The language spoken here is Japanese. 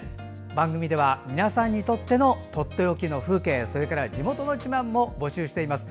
番組では、皆さんにとってのとっておきの風景地元の自慢も募集しています。